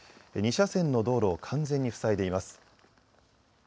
２車線の道路を完全に塞いでいます。